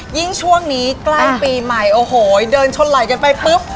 ยิ่งช่วงนี้ใกล้ปีใหม่โอ้โหเดินชนไหลกันไปปุ๊บ